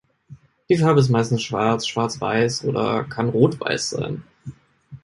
Die Farbe ist meistens schwarz, schwarzweiß oder kann rotweiß sein.